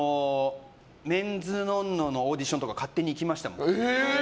「メンズノンノ」のオーディションとか勝手に行きましたもん。